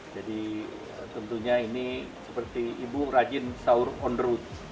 jadi tentunya ini seperti ibu rajin sahur on route